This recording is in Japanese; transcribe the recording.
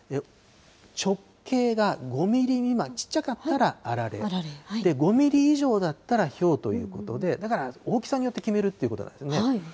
直径が５ミリ未満、ちっちゃかったらあられ、５ミリ以上だったらひょうということで、だから大きさによって決めるっていうことなんですね。